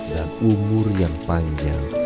dan umur yang panjang